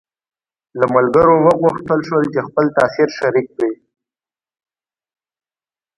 له ملګرو وغوښتل شول چې خپل تاثر شریک کړي.